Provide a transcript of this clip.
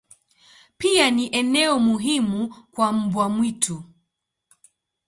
Pia ni eneo muhimu kwa mbwa mwitu.